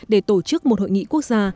để tổ chức một hội nghị quốc gia